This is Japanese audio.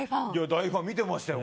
大ファン、見てましたよ。